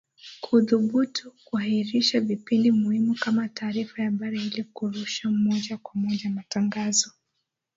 kuthubutu kuahirisha vipindi muhimu kama taarifa ya habari ili kurusha moja kwa moja matangazo